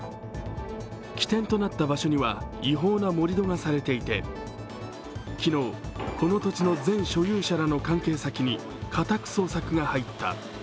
起点となった場所には違法な盛り土がされていて昨日、この土地の前所有者の関係者らに家宅捜索が入った。